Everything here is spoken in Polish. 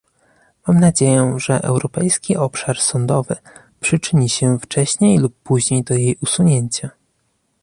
Mam nadzieję, że europejski obszar sądowy przyczyni się wcześniej lub później do jej usunięcia